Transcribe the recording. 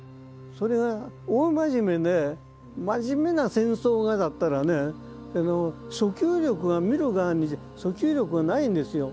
それが大真面目で真面目な戦争画だったらね訴求力が見る側に訴求力がないんですよ。